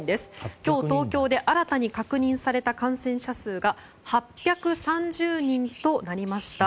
今日、東京で新たに確認された感染者数が８３０人となりました。